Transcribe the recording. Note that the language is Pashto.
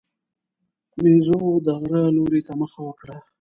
مېزو د غره لوري ته مخه وکړه.